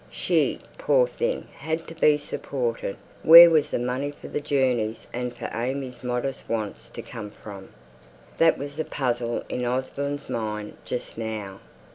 She, poor thing! had to be supported where was the money for the journeys and for AimÄe's modest wants to come from? That was the puzzle in Osborne's mind just now.